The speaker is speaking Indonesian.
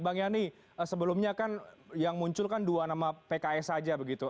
bang yani sebelumnya kan yang muncul kan dua nama pks saja begitu